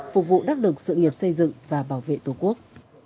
phục vụ đắc lực sự nghiệp xây dựng và bảo vệ tổ quốc